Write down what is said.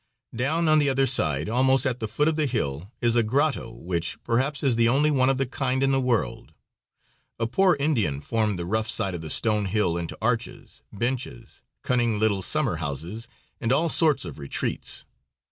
Down on the other side, almost at the foot of the hill, is a grotto which, perhaps, is the only one of the kind in the world. A poor Indian formed the rough side of the stone hill into arches, benches, cunning little summer houses and all sorts of retreats.